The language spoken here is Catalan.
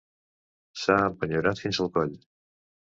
S'ha empenyorat fins al coll.